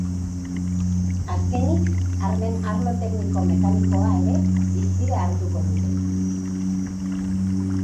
Azkenik, armen arlo tekniko-mekanikoa ere hizpide hartuko dute.